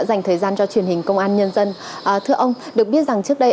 dành thời gian cho truyền hình công an nhân dân thưa ông được biết rằng trước đây